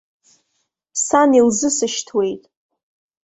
Сан илзысышьҭуеит.